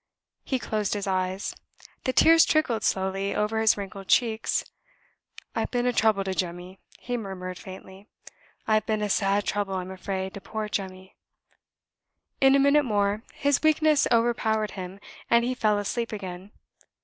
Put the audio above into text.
He closed his eyes: the tears trickled slowly over his wrinkled cheeks. "I've been a trouble to Jemmy," he murmured, faintly; "I've been a sad trouble, I'm afraid, to poor Jemmy!" In a minute more his weakness overpowered him, and he fell asleep again.